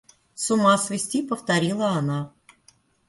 С ума свести, — повторила она.